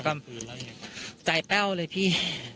แซ็คเอ้ยเป็นยังไงไม่รอดแน่